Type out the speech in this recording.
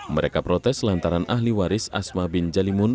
mereka protes lantaran ahli waris asma bin jalimun